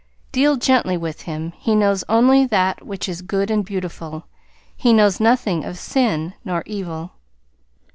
Deal gently with him. He knows only that which is good and beautiful. He knows nothing of sin nor evil.